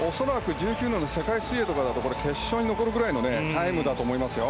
恐らく準決勝の世界水泳だと決勝に残るくらいのタイムだと思いますよ。